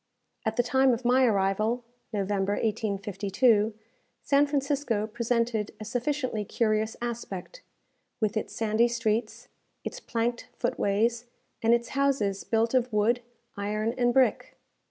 At the time of my arrival (November, 1852), San Francisco presented a sufficiently curious aspect, with its sandy streets, its planked foot ways, and its houses built of wood, iron, and brick.